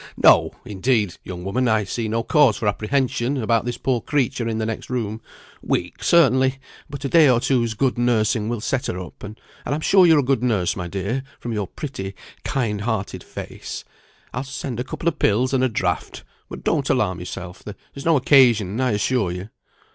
No! indeed, young woman, I see no cause for apprehension about this poor creature in the next room; weak certainly; but a day or two's good nursing will set her up, and I'm sure you're a good nurse, my dear, from your pretty, kind hearted face, I'll send a couple of pills and a draught, but don't alarm yourself, there's no occasion, I assure you."